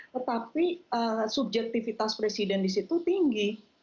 tetapi subjektivitas presiden di situ tinggi